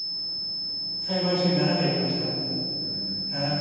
裁判所に７回行きました７回。